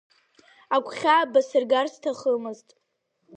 Агәхьаа басыргар сҭахымызт.